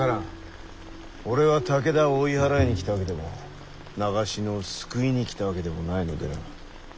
俺は武田を追い払いに来たわけでも長篠を救いに来たわけでもないのでな。